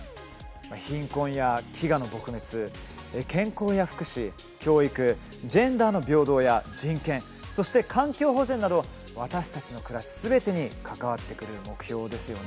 貧困や飢餓の撲滅健康や福祉、教育ジェンダーの平等や人権さらに環境保全など私たちの暮らしすべてに関わってくる目標ですね。